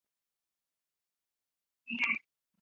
他娶了当地领袖的女儿吉塞拉。